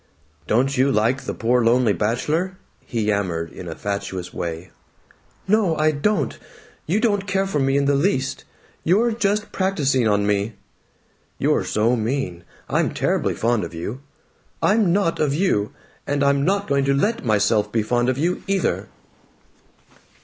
"Don't you like the poor lonely bachelor?" he yammered in a fatuous way. "No, I don't! You don't care for me in the least. You're just practising on me." "You're so mean! I'm terribly fond of you." "I'm not of you. And I'm not going to let myself be fond of you, either."